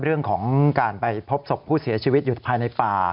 เรื่องของการไปพบศพผู้เสียชีวิตอยู่ภายในป่า